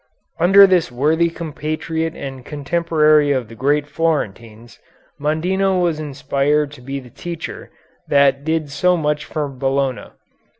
Under this worthy compatriot and contemporary of the great Florentines, Mondino was inspired to be the teacher that did so much for Bologna.